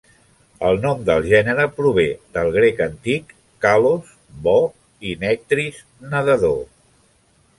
El nom del gènere prové del grec antic "kalos" ("bo") i "nectris" ("nedador").